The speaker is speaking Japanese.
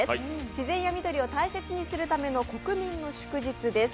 自然や緑を大切にする国民の祝日です。